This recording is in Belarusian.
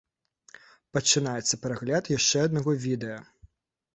Пачынаецца прагляд яшчэ аднаго відэа.